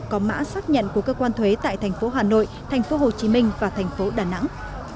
có mã xác nhận của cơ quan thuế tại thành phố hà nội thành phố hồ chí minh và thành phố đà nẵng